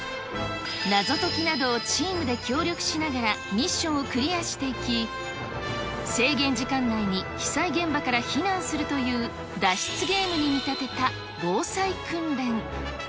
謎解きなどをチームで協力しながらミッションをクリアしていき、制限時間内に被災現場から避難するという脱出ゲームに見立てた防災訓練。